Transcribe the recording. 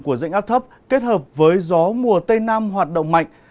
của rãnh áp thấp kết hợp với gió mùa tây nam hoạt động mạnh